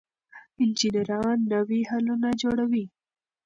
انجنیران نوي حلونه جوړوي.